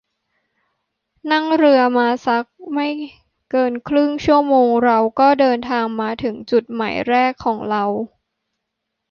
นั่งเรือมาสักไม่เกินครึ่งชั่วโมงเราก็เดินทางมาถึงจุดหมายแรกของเรา